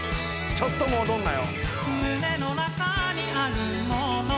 ちょっとも踊んなよ。